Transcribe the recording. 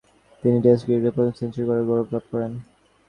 তিনি টেস্ট ক্রিকেটের প্রথম সেঞ্চুরি করার গৌরব লাভ করেন।